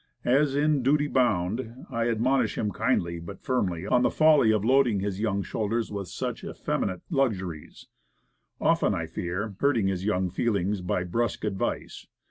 As in duty bound, I admonish him kindly, but firmly, on the folly of loading his young shoulders with such effeminate luxuries; often, I fear, hurting his young feelings by brusque advice.